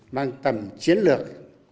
bằng tầm chiến lược